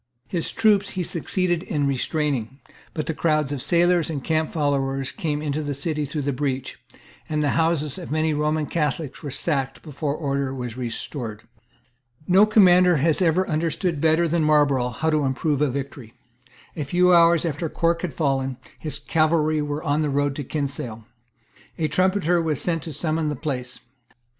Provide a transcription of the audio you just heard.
His troops he succeeded in restraining; but crowds of sailors and camp followers came into the city through the breach; and the houses of many Roman Catholics were sacked before order was restored. No commander has ever understood better than Marlborough how to improve a victory. A few hours after Cork had fallen, his cavalry were on the road to Kinsale. A trumpeter was sent to summon the place.